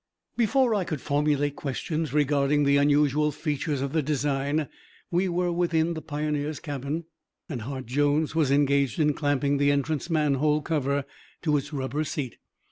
Before I could formulate questions regarding the unusual features of the design, we were within the Pioneer's cabin and Hart Jones was engaged in clamping the entrance manhole cover to its rubber seat.